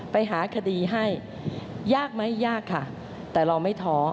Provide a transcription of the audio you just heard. ไปหาคดีให้ยากไหมยากค่ะแต่เราไม่ท้อ